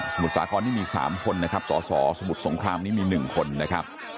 มุทรสาครนี่มี๓คนนะครับสสสมุทรสงครามนี้มี๑คนนะครับ